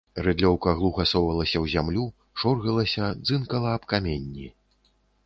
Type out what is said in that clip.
Рыдлёўка глуха совалася ў зямлю, шоргалася, дзынкала аб каменні.